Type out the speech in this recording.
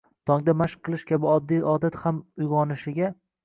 tongda mashq qilish kabi oddiy odat ham uyg‘onishiga